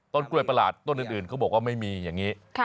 ต้นกล้วยประหลาดต้นอื่นเขาบอกว่าไม่มีอย่างนี้